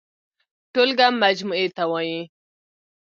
ټولګه مجموعې ته وايي.